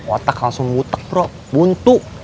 otak langsung butek rok buntu